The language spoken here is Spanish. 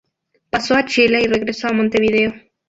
Pasó a Chile y regresó a Montevideo.